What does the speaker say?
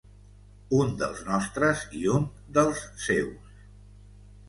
Un dels nostres i un dels seus.